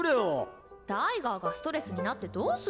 タイガーがストレスになってどうすんの。